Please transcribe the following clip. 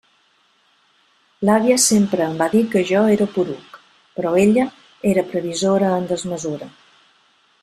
L'àvia sempre em va dir que jo era poruc, però ella era previsora en desmesura.